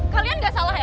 kalian gak salah ya